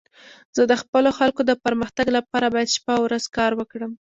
زه د خپلو خلکو د پرمختګ لپاره باید شپه او ورځ کار وکړم.